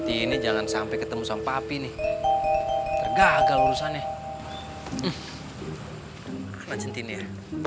ini jangan sampai ketemu sampai ini gagal urusannya